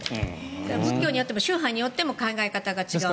仏教でも宗派によっても考え方が違うので。